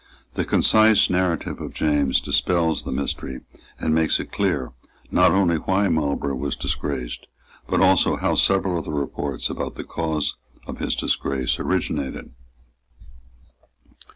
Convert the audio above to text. The concise narrative of James dispels the mystery, and makes it clear, not only why Marlborough was disgraced, but also how several of the reports about the cause of his disgrace originated.